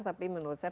tapi menurut saya